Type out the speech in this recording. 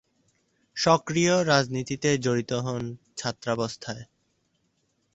সক্রিয় রাজনীতিতে জড়িত হন ছাত্রাবস্থায়।